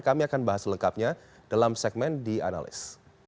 kami akan bahas lengkapnya dalam segmen dianalys